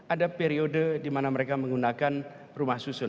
ada periode dimana mereka menggunakan rumah susun